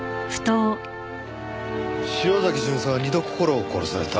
潮崎巡査は二度心を殺された。